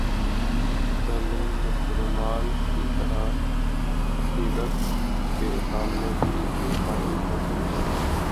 دلیل رومان کی طرح، عقیدت کے سامنے بھی بے معنی ہو تی ہے۔